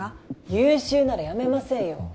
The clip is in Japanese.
優秀なら辞めませんよ